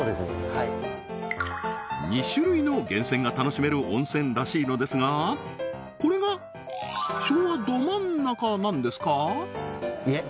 はい２種類の源泉が楽しめる温泉らしいのですがこれが昭和ど真ん中なんですか？